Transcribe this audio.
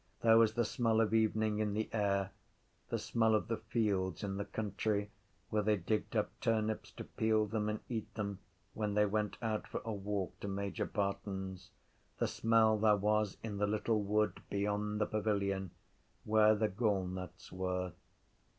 There was the smell of evening in the air, the smell of the fields in the country where they digged up turnips to peel them and eat them when they went out for a walk to Major Barton’s, the smell there was in the little wood beyond the pavilion where the gallnuts were.